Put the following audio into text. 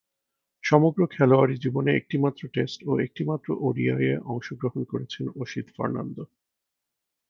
সমগ্র খেলোয়াড়ী জীবনে একটিমাত্র টেস্ট ও একটিমাত্র ওডিআইয়ে অংশগ্রহণ করেছেন অসিত ফার্নান্দো।